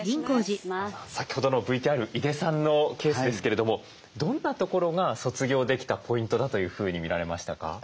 先ほどのＶＴＲ井出さんのケースですけれどもどんなところが卒業できたポイントだというふうに見られましたか？